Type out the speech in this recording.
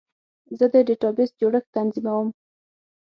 زه د ډیټابیس جوړښت تنظیموم.